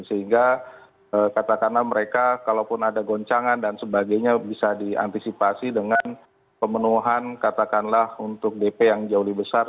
sehingga katakanlah mereka kalaupun ada goncangan dan sebagainya bisa diantisipasi dengan pemenuhan katakanlah untuk dp yang jauh lebih besar